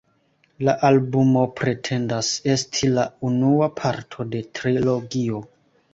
La albumo pretendas esti la unua parto de trilogio.